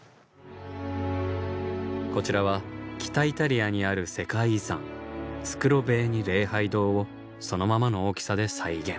こちらは北イタリアにある世界遺産スクロヴェーニ礼拝堂をそのままの大きさで再現。